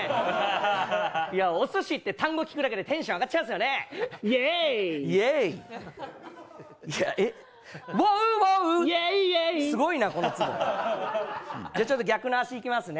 おすしって単語聞くだけでテンション上がっちゃうんですよね。